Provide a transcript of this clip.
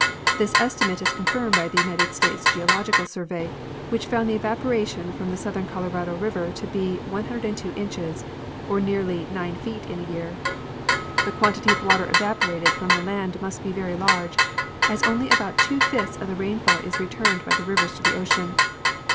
This estimate is confirmed by the United States Geological Survey, which found the evaporation from the south ern Colorado river to be 102 inches, or nearly 9 feet in a year. The quantity of water evaporated from the land must be very large, as only about two fifths of the rainfall is returned by the rivers to the ocean.